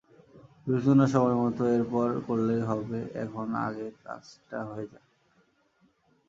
বিবেচনা সময়মত এর পর করলেই হবে, এখন কাজটা আগে হয়ে যাক।